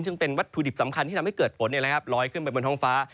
ซึ่งเป็นวัตถุดิบสำคัญที่ทำให้เกิดฝนลอยขึ้นไปบนท้องฟ้า